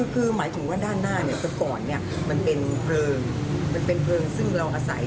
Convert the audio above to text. คือหมายถึงว่าด้านหน้าเมื่อก่อนมันเป็นเผลอ